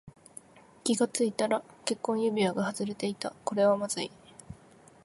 気がついたら結婚指輪が外れていた。これはまずい。